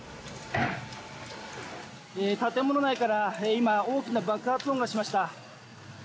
建物内から今、大きな爆発音がしました。